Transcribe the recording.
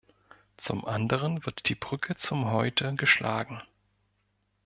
Zum anderen wird die Brücke zum Heute geschlagen.